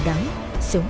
sống trong áo ảnh